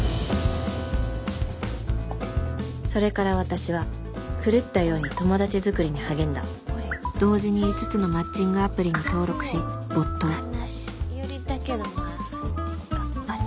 それから私は狂ったように友達づくりに励んだ同時に５つのマッチングアプリに登録し没頭ナシ寄りだけどまぁいっか。